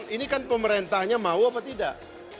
ini kan pemerintahnya mau apa tidak